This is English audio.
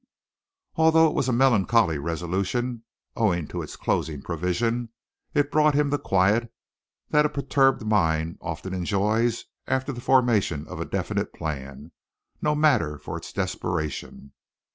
Although it was a melancholy resolution, owing to its closing provision, it brought him the quiet that a perturbed mind often enjoys after the formation of a definite plan, no matter for its desperation.